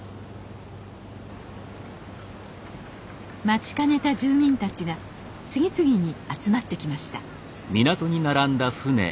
待ちかねた住民たちが次々に集まってきました。